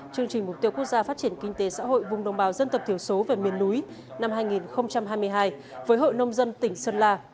chương trình mục tiêu quốc gia phát triển kinh tế xã hội vùng đồng bào dân tộc thiểu số và miền núi năm hai nghìn hai mươi hai với hội nông dân tỉnh sơn la